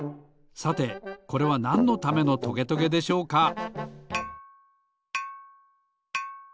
さてこれはなんのためのトゲトゲでしょうか？